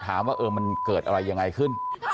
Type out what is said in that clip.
ถามว่ามันเกิดอะไรยังไงขึ้น